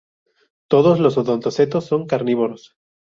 Todos los odontocetos son carnívoros.